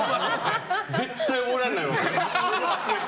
絶対覚えられないわ。